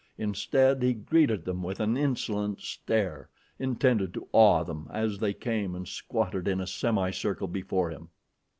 Instead he greeted them with an insolent stare, intended to awe them, as they came and squatted in a semi circle before him.